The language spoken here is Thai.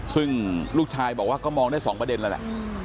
ซึ่งลูกชายบอกว่าก็มองได้๒ประเด็นแล้วแหละ